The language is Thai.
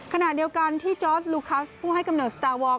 ขณะเดียวกันที่จอร์สลูคัสผู้ให้กำเนิดสตาร์วอร์ม